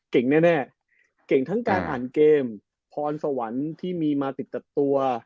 แน่เก่งทั้งการอ่านเกมพรสวรรค์ที่มีมาติดตัดตัว